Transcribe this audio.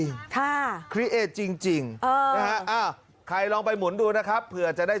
นี่อยู่ในตู้กระจกแบบนี้